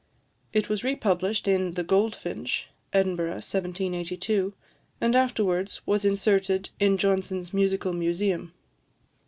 It was re published in "The Goldfinch" (Edinburgh, 1782), and afterwards was inserted in Johnson's "Musical Museum."